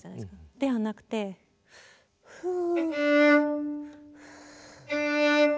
ではなくてフゥ。